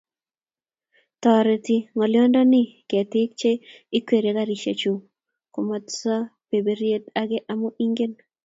Toreti ngolyondoni ketik che ikweryei garisiech Komatsu berberiet age amu ingen